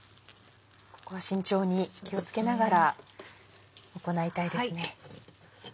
ここは慎重に気を付けながら行いたいですね。